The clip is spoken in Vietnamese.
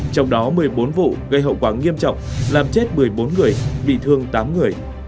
trong đó một mươi bốn vụ gây hậu quả nghiêm trọng làm chết một mươi bốn người bị thương tám người